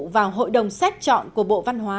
vào hội đồng xét chọn của bộ văn hóa